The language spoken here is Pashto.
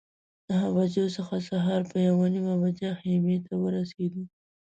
نهه بجو څخه سهار په یوه نیمه بجه خیمې ته ورسېدو.